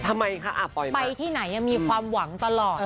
ทำไมคะไปที่ไหนมีความหวังตลอด